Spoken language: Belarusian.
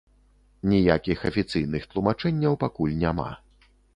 Ніякіх афіцыйных тлумачэнняў пакуль няма.